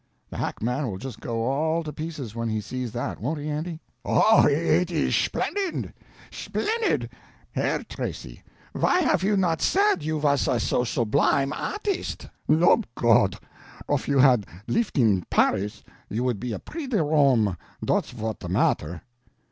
The hackman will just go all to pieces when he sees that won't he Andy?" "Oh, it is sphlennid, sphlennid! Herr Tracy, why haf you not said you vas a so sublime aartist? Lob' Gott, of you had lif'd in Paris you would be a Pree de Rome, dot's votes de matter!"